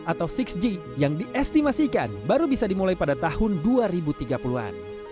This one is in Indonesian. dengan diterapkannya jaringan internet generasi ke enam atau enam g yang diestimasikan baru bisa dimulai pada tahun dua ribu tiga puluh an